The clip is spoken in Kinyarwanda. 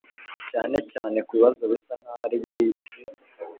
cyane cyane ku bibazo bisa nk'aho ari bwite